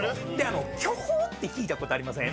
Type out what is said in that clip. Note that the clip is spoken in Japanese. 巨峰って聞いたことありません？